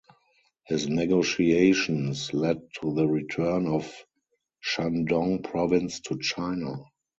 His negotiations led to the return of Shandong Province to China.